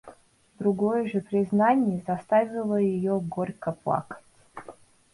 Другое же признание заставило ее горько плакать.